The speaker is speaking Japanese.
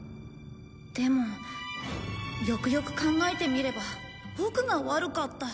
でもよくよく考えてみればボクが悪かった。